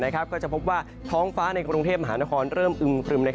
ก็จะพบว่าท้องฟ้าในกรุงเทพมหานครเริ่มอึมครึม